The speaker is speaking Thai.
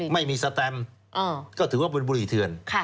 ไม่มีสแตมก็ถือว่าเป็นบุหรี่เถื่อน